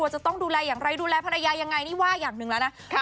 จะต้องดูแลอย่างไรดูแลภรรยายังไงนี่ว่าอย่างหนึ่งแล้วนะ